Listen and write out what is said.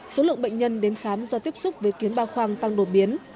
số lượng bệnh nhân đến khám do tiếp xúc với kiến ba khoang tăng đột biến